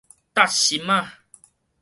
貼心仔